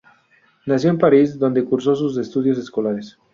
Nació en París, donde cursó sus estudios escolares.